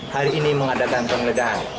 hari ini mengadakan penggeledahan